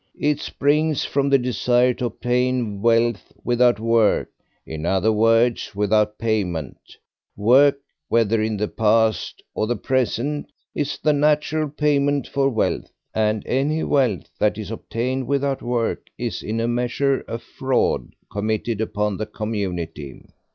It springs from the desire to obtain wealth without work, in other words, without payment; work, whether in the past or the present, is the natural payment for wealth, and any wealth that is obtained without work is in a measure a fraud committed upon the community.